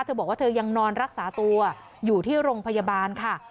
เธอบอกว่าเธอยังนอนรักษาตัวอยู่ที่โรงพยาบาลค่ะ